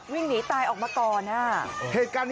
วิ่งหนีตายออกมาตอนน่า